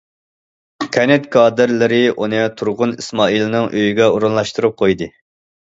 كەنت كادىرلىرى ئۇنى تۇرغۇن ئىسمائىلنىڭ ئۆيىگە ئورۇنلاشتۇرۇپ قويدى.